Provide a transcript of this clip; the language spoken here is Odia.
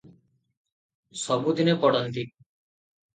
ସବୁଦିନେ ପଡ଼ନ୍ତି ।